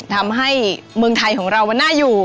ทำให้เมืองไทยของเรามันน่าอยู่